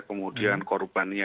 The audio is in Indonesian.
kemudian korbannya muncul gitu ya